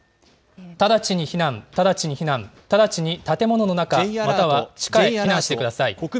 直ちに避難、直ちに避難、直ちに建物の中、または地下に避難してください。